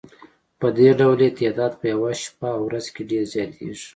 پدې ډول یې تعداد په یوه شپه او ورځ کې ډېر زیاتیږي.